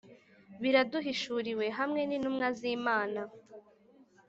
biraduhishuriwe. hamwe n'intumwa z'imana